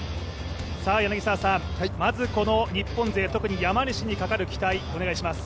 さあ、まずこの日本勢特に山西にかかる期待お願いします。